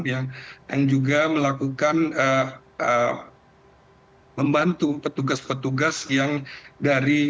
yang juga melakukan membantu petugas petugas yang dari